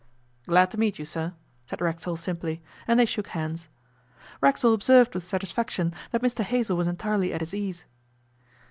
'Glad to meet you, sir,' said Racksole simply, and they shook hands. Racksole observed with satisfaction that Mr Hazell was entirely at his ease.